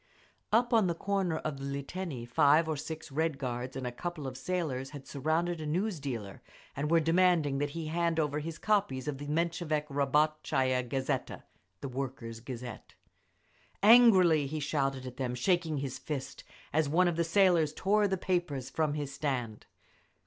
Up on the corner of the Liteiny, five or six Red Guards and a couple of sailors had surrounded a news dealer and were demanding that he hand over his copies of the Menshevik Rabot chaya Gazeta (Workers' Gazette). Angrily he shouted at them, shaking his fist, as one of the sailors tore the papers from his stand.